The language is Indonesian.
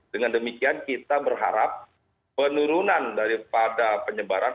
dengan demikian kita berharap penurunan daripada penyebaran